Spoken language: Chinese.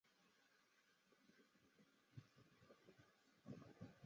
扶余郡是古百济国的首都。